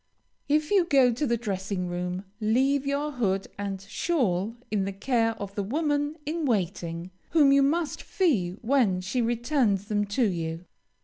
If you go to the dressing room, leave your hood and shawl in the care of the woman in waiting, whom you must fee when she returns them to you.